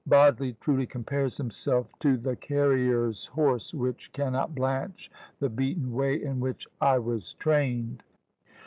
Bodley truly compares himself to "the carrier's horse which cannot blanch the beaten way in which I was trained."